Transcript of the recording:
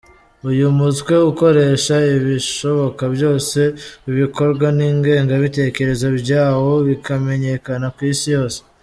Uyu mutwe ukoresha ibishoboka byose ibikorwa n’ingengabitekerezo byawo bikamenyekana ku Isi yose.